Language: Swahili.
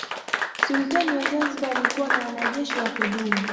Sultani wa Zanzibar alikuwa na wanajeshi wa kudumu.